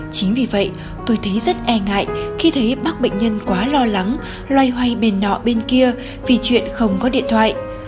chính vì vậy tôi thấy rất e ngại khi thấy bác bệnh nhân quá lo lắng loay hoay bền nọ bên kia vì chuyện không có điện thoại